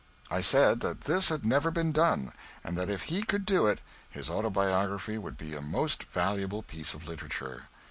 I said that this had never been done, and that if he could do it his autobiography would be a most valuable piece of literature.